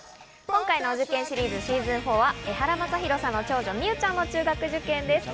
今回のお受験シリーズ・シーズン４はエハラマサヒロさんの長女・美羽ちゃんの中学受験です。